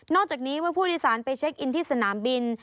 จากนี้เมื่อผู้โดยสารไปเช็คอินที่สนามบิน